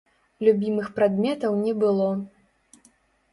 Любімых прадметаў не было.